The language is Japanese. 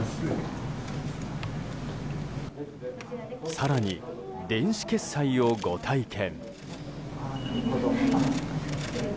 更に、電子決済をご体験。